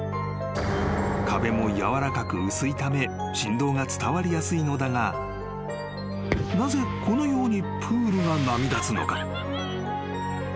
［壁も軟らかく薄いため振動が伝わりやすいのだがなぜこのようにプールが波立つのか？］